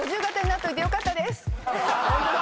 ホントだ！